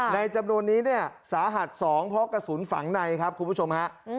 จำนวนนี้เนี่ยสาหัส๒เพราะกระสุนฝังในครับคุณผู้ชมฮะ